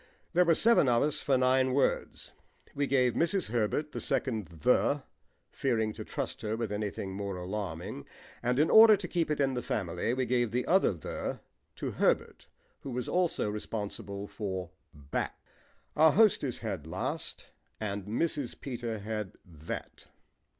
There were seven of us for nine words. We gave Mrs. Herbert the second "the," fearing to trust her with anything more alarming and in order to keep it in the family we gave the other "the" to Herbert, who was also responsible for "back." Our hostess had "last" and Mrs. Peter had "that."